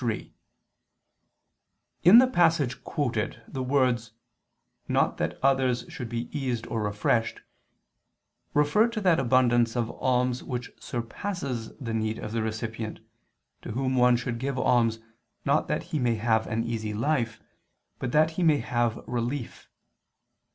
3: In the passage quoted the words, "not that others should be eased or refreshed," refer to that abundance of alms which surpasses the need of the recipient, to whom one should give alms not that he may have an easy life, but that he may have relief.